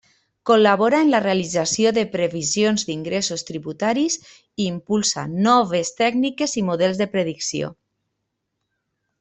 Col·labora en la realització de previsions d'ingressos tributaris i impulsa noves tècniques i models de predicció.